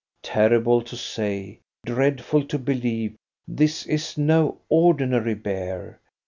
Terrible to say, dreadful to believe, this is no ordinary bear.